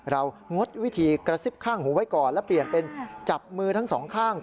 งดวิธีกระซิบข้างหูไว้ก่อนและเปลี่ยนเป็นจับมือทั้งสองข้าง